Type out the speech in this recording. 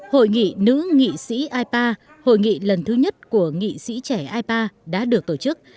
hội nghị nữ nghị sĩ ipa hội nghị lần thứ nhất của nghị sĩ trẻ ipa đã được tổ chức